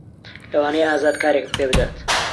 لەوانەیە ئازاد کارێکم پێ بدات.